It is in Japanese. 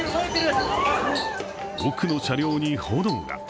奥の車両に炎が。